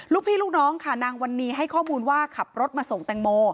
ลูกพี่ลูกน้องค่ะนางวันนี้ให้ข้อมูลว่าขับรถมาส่งแตงโม